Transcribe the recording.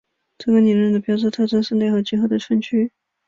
这个理论的标志特征是类和集合的区分。